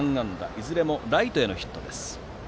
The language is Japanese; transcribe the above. いずれもライトへのヒットです。